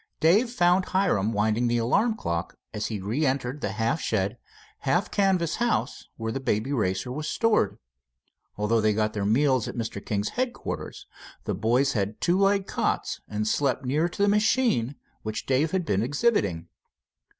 Dave found Hiram winding the alarm clock as he re entered the half shed, half canvas house where the Baby Racer was stored. Although they got their meals at Mr. King's headquarters, the boys had two light cots and slept near to the machine which Dave had been exhibiting.